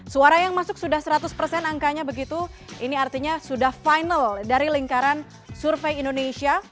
suara yang masuk sudah seratus persen angkanya begitu ini artinya sudah final dari lingkaran survei indonesia